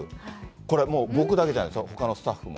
これ、もう僕だけじゃないですよ、ほかのスタッフも。